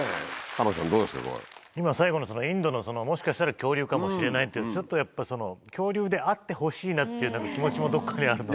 玉木さん、今、最後のインドの、もしかしたら恐竜かもしれないって、ちょっとやっぱり、恐竜であってほしいなっていう気持ちも、どっかであって。